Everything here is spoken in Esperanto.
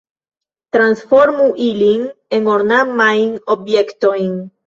Transformu ilin en ornamajn objektojn!